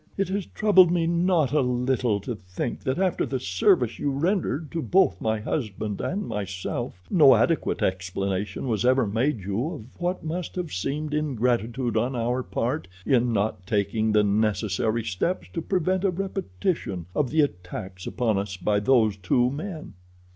"It has troubled me not a little to think that after the service you rendered to both my husband and myself no adequate explanation was ever made you of what must have seemed ingratitude on our part in not taking the necessary steps to prevent a repetition of the attacks upon us by those two men."